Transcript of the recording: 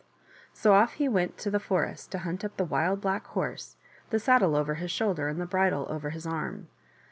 So off he went to the forest to hunt up the Wild Black Horse, the saddle over his shoulder and the bridle over his arm.